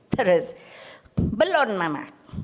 terus belon mama